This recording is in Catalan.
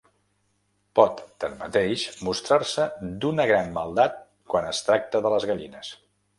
Pot tanmateix mostrar-se d'una gran maldat quan es tracta de les gallines.